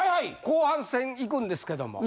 後半戦いくんですけども。